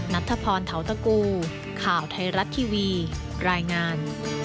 นัทธพรเทาตะกูข่าวไทยรัฐทีวีรายงาน